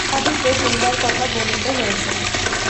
হাদীসে দুম্বার কথা বর্ণিত হয়েছে।